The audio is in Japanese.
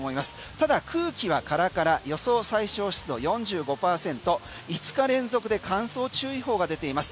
ただ空気はカラカラ予想最小湿度４５％５日連続で乾燥注意報が出ています。